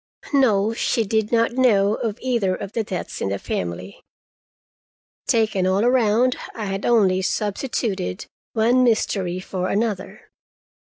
No, she did not know of either of the deaths in the family. Taken all around, I had only substituted one mystery for another.